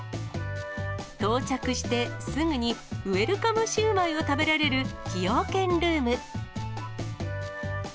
到着してすぐにウエルカムシウマイを食べられる、崎陽軒ルーム。